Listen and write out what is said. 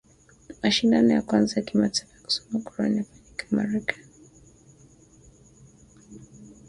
Mashindano ya kwanza ya kimataifa ya kusoma Quran yafanyika Marekani